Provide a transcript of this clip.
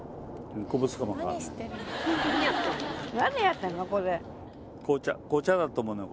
何やってんの？